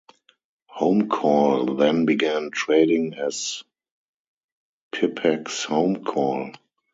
Homecall then began trading as Pipex Homecall.